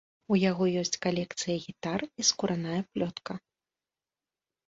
У яго ёсць калекцыя гітар і скураная плётка.